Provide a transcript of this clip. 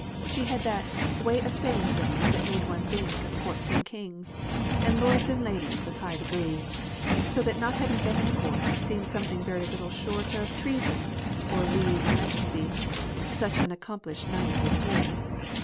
She had that 'Way of saying things That made one think of courts and kings, And lords and ladies of high degree, So that not having been at court Seemed something very little short Of treason or lese majesty, Such an accomplished knight was he.'"